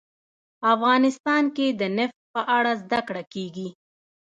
افغانستان کې د نفت په اړه زده کړه کېږي.